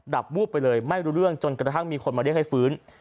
วูบไปเลยไม่รู้เรื่องจนกระทั่งมีคนมาเรียกให้ฟื้น